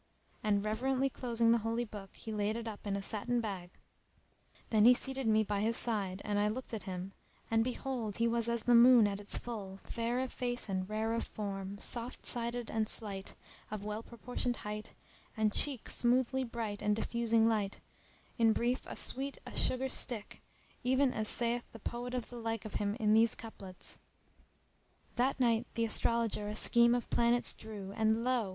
and, reverently closing the Holy Book, he laid it up in a satin bag. Then he seated me by his side; and I looked at him and behold, he was as the moon at its full, fair of face and rare of form, soft sided and slight, of well proportioned height, and cheek smoothly bright and diffusing light; in brief a sweet, a sugar stick,[FN#313]. even as saith the poet of the like of him in these couplets:— That night th' astrologer a scheme of planets drew, * And lo!